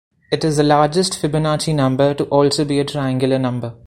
It is the largest Fibonacci number to also be a triangular number.